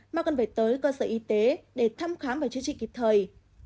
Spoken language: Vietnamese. mà cần phải tới cơ sở y tế để thăm khám và chữa trị kịp thời